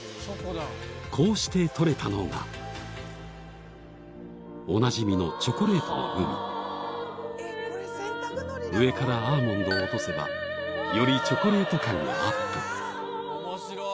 こうして撮れたのがおなじみのチョコレートの海上からアーモンドを落とせばよりチョコレート感がアップ面白い！